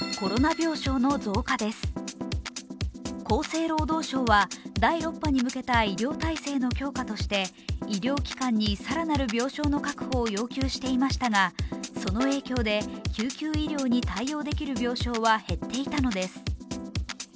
厚生労働省は第６波に向けた医療体制の強化として医療機関に更なる病床の確保を要求していましたがその影響で救急医療に対応できる病床は減っていたのです。